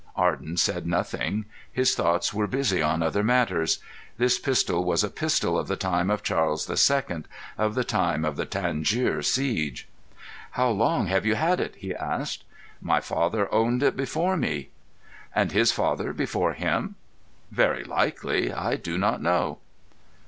Arden said nothing. His thoughts were busy on other matters. This pistol was a pistol of the time of Charles II, of the time of the Tangier siege. "How long have you had it?" he asked. "My father owned it before me." "And his father before him?" "Very likely. I do not know."